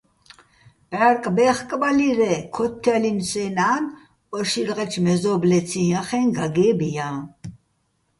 ბჺარკბე́ხბალირ-ე́, ქოთთჲალინო̆ სეჼ ნა́ნ ო შილღეჩო̆ მეზო́ბლეციჼ ჲახე́ჼ გაგე́ბ ჲაჼ.